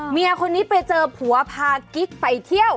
เมียคนนี้ไปเจอผัวพากิ๊กไปเที่ยว